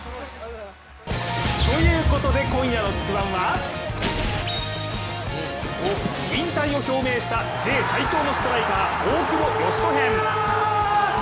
ということで今夜の「つくワン」は引退を表明したＪ最強のストライカー大久保嘉人編。